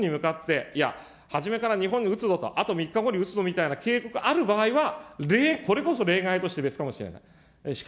いや、初めから日本に撃つぞと、あと３日後に撃つぞみたいな警告ある場合は、これこそ例外として別かもしれない。